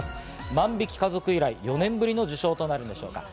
『万引き家族』以来、４年ぶりの受賞となるでしょうか。